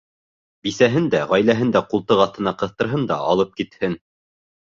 Бисәһен дә, ғаиләһен дә ҡултыҡ аҫтына ҡыҫтырһын да алып китһен.